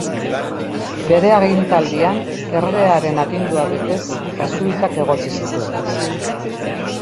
Bere agintaldian, erregearen agindua betez, jesuitak egotzi zituen.